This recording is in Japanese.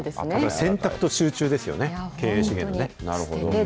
選択と集中ですよね、経営資源の。